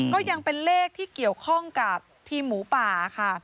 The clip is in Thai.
ก็ยังเป็นเลขที่เกี่ยวข้องกับทีมหมูป่าค่ะ